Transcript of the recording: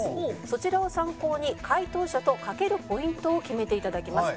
そちらを参考に解答者と賭けるポイントを決めて頂きます。